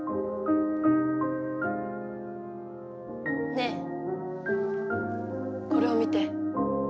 ねえこれを見て。